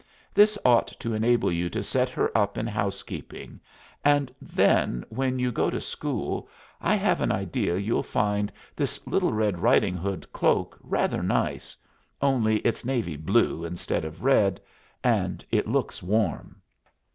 This ought to enable you to set her up in housekeeping; and then when you go to school I have an idea you'll find this little red riding hood cloak rather nice only it's navy blue instead of red, and it looks warm."